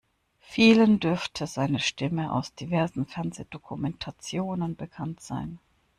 Vielen dürfte seine Stimme aus diversen Fernsehdokumentationen bekannt sein.